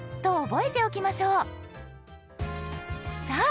さあ